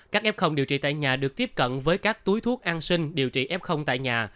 các f điều trị tại nhà được tiếp cận với các túi thuốc an sinh điều trị f tại nhà